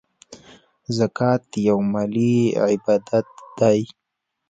زکات یو مالی عبادت دی .